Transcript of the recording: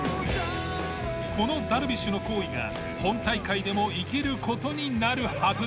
このダルビッシュの行為が本大会でも生きる事になるはず。